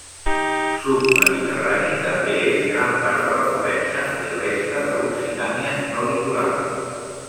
Submediterrani també és gran part de la Provença i resta d'Occitània no litoral.